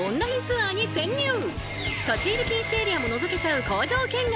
立ち入り禁止エリアものぞけちゃう工場見学！